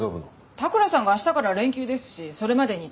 田倉さんが明日から連休ですしそれまでにと。